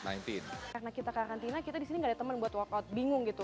karena kita karantina kita disini gak ada teman buat workout bingung gitu